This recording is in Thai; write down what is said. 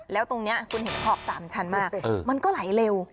แล้วตรงนี้คุณเห็นขอบ๓ชั้นมากมันก็ไหลเร็ว